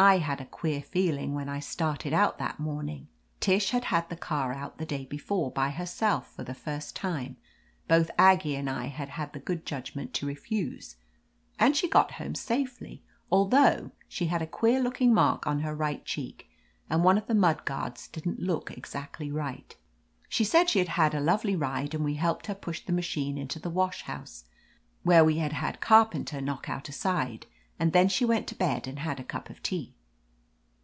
I had a queer feeling when I started out that morning. Tish had had the car out the day before by herself for the first time — both Aggie and I had had the good judgment to refuse — and she got home safely, although she had a queer looking mark on her right cheek, and one of the mud guards didn't look exactly right. She said she had had a lovely ride, and we helped her push the machine into the wash house, where we had had Carpenter knock out a side, and then she went to bed and had a cup of tea.